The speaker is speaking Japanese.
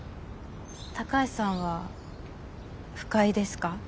高橋さんは不快ですか？